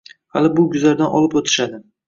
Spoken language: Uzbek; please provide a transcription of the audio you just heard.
Hali bu guzardan olib o‘tishadi.